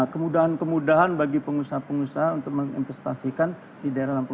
kemudahan kemudahan bagi pengusaha pengusaha untuk menginvestasikan di daerah lampung